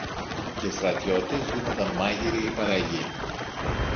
και οι στρατιώτες γίνονταν μάγειροι ή παραγιοί